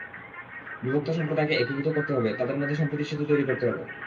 বিভক্ত সম্প্রদায়কে একীভূত করতে হবে, তাদের মধ্যে সম্প্রীতির সেতু তৈরি করতে হবে।